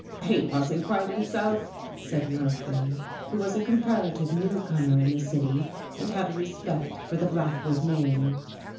"He wasn't quite himself," said Murphree, who was a comparative newcomer in the city and had a respect for the Blackwood name.